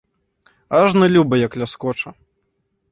Ажно люба, як ляскоча.